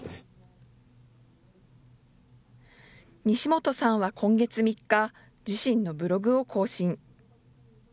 西本さんは今月３日、自身のブログを更新。